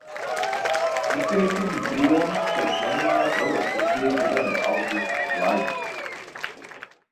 Definitivní průlom však znamenalo o rok později vydané album "Life".